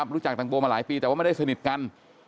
ตังโมมาหลายปีแต่ว่าไม่ได้สนิทกัน